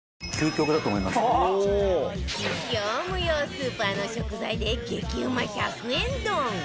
業務用スーパーの食材で激ウマ１００円丼